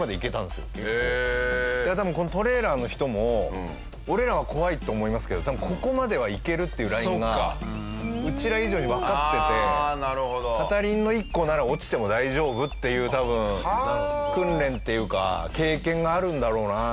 多分このトレーラーの人も俺らは怖いって思いますけど多分ここまではいけるっていうラインがうちら以上にわかってて片輪の１個なら落ちても大丈夫っていう多分訓練っていうか経験があるんだろうなって思いましたね。